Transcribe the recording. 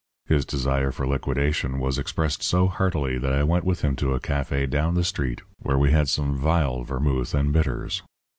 His desire for liquidation was expressed so heartily that I went with him to a café down the street where we had some vile vermouth and bitters.